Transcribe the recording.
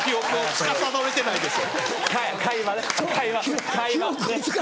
つかさどれてないです。